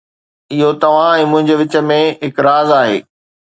اهو توهان ۽ منهنجي وچ ۾ هڪ راز آهي